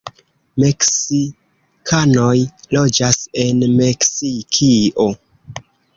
Meksikanoj loĝas en Meksikio.